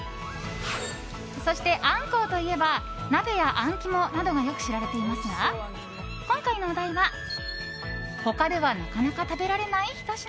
そして、アンコウといえば鍋やあん肝などがよく知られていますが今回のお題は他ではなかなか食べられないひと品。